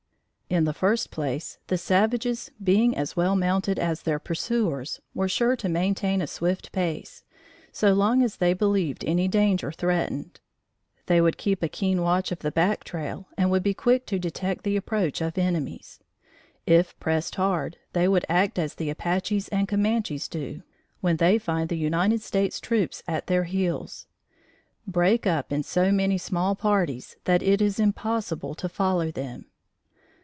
In the first place, the savages, being as well mounted as their pursuers, were sure to maintain a swift pace, so long as they believed any danger threatened. They would keep a keen watch of the back trail and would be quick to detect the approach of enemies. If pressed hard, they would act as the Apaches and Comanches do, when they find the United States troops at their heels break up in so many small parties that it is impossible to follow them.